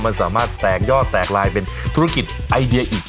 มันสามารถแตกยอดแตกลายเป็นธุรกิจไอเดียอีก